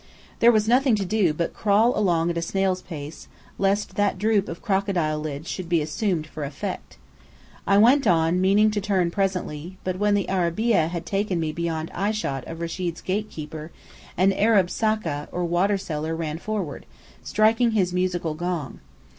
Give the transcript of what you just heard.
There was nothing to do but crawl along at a snail's pace, lest that droop of the crocodile lids should be assumed for effect. I went on, meaning to turn presently; but when the arabeah had taken me beyond eyeshot of Rechid's gate keeper, an Arab sacca, or water seller, ran forward, striking his musical gong.